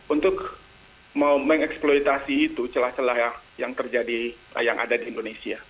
untuk mengeksploitasi itu celah celah yang terjadi yang ada di indonesia